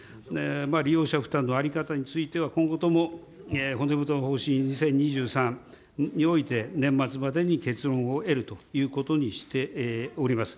利用者負担の在り方については、今後とも骨太の方針２０２３において、年末までに結論を得るということにしております。